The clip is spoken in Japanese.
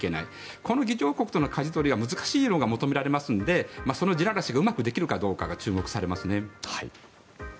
この議長国とのかじ取りは難しいものが求められますのでその地ならしがうまくできるかどうかが注目されますね。